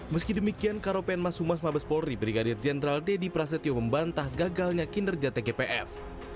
meski demikian karopen mas humas mabes polri brigadir jenderal deddy prasetyo membantah gagalnya kinerja tgpf